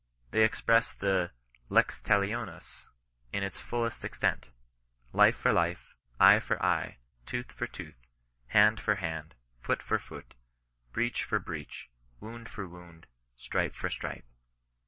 They express the lex talionis in its fullest extent ;'^ life for life, eye for eye, tooth for tooth, hand for hand, foot for foot, breach for breach, wound for wound, stripe for stripe."